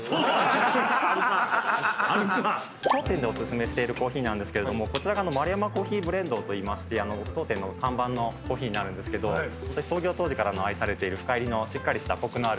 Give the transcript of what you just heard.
当店でおすすめしているコーヒーなんですけれどもこちらが丸山珈琲ブレンドといいまして当店の看板のコーヒーになるんですけど創業当時から愛されている深いりのしっかりしたコクのある。